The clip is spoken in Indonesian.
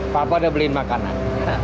papa udah beli makanan